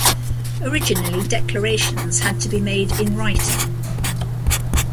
Originally, declarations had to be made in writing.